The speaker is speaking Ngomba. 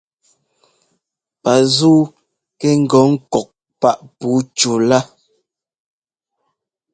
Pazúu kɛ ŋ́gɔ ŋ́kɔk páꞋ puu cú laa.